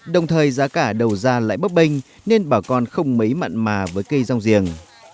đồng thời giá cả đầu ra lại bấp bênh nên bà con không mấy mặn mà với cây rong giềng